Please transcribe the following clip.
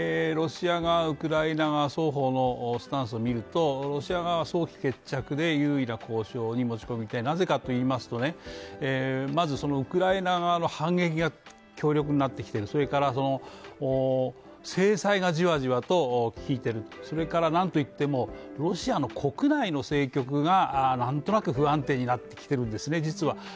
ロシア側、ウクライナ側双方のスタンスを見るとロシア側は早期決着で優位な交渉に持ち込みたいなぜかといいますと、まず、ウクライナ側の反撃が強力になってきている、制裁がじわじわときいている、それからなんといっても、ロシアの国内の政局がなんとなく不安定になってきているんですね実は。